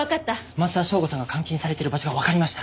松田省吾さんが監禁されてる場所がわかりました。